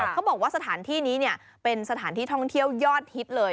เขาบอกว่าสถานที่นี้เป็นสถานที่ท่องเที่ยวยอดฮิตเลย